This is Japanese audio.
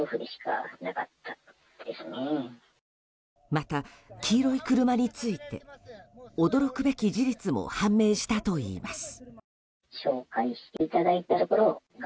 また、黄色い車について驚くべき事実も判明したといいます。